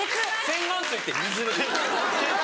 洗顔水って水です。